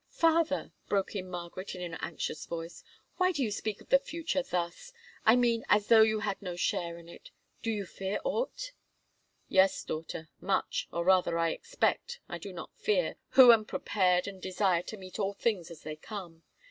"Father," broke in Margaret in an anxious voice, "why do you speak of the future thus?—I mean, as though you had no share in it? Do you fear aught?" "Yes, daughter, much, or rather I expect, I do not fear, who am prepared and desire to meet all things as they come.